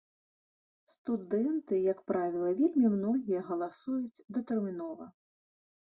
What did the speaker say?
Студэнты, як правіла, вельмі многія галасуюць датэрмінова.